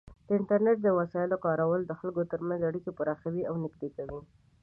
د انټرنیټ د وسایلو کارول د خلکو ترمنځ اړیکې پراخوي او نږدې کوي.